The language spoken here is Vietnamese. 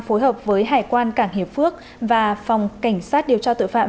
phối hợp với hải quan cảng hiệp phước và phòng cảnh sát điều tra tội phạm